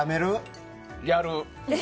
やる！